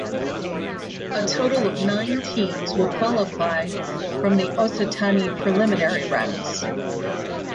A total of nine teams will qualify from the Occitanie preliminary rounds.